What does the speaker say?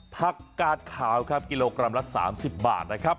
ผักกาดขาวครับกิโลกรัมละ๓๐บาทนะครับ